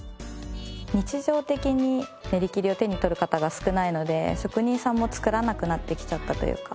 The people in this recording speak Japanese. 日常的に練り切りを手に取る方が少ないので職人さんも作らなくなってきちゃったというか。